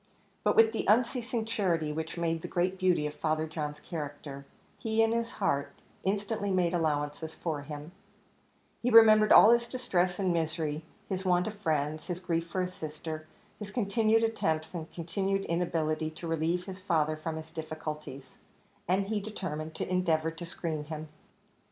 But with the unceasing charity which made the great beauty of Father John's character, he, in his heart, instantly made allowances for him; he remembered all his distress and misery his want of friends his grief for his sister his continued attempts and continued inability to relieve his father from his difficulties; and he determined to endeavour to screen him.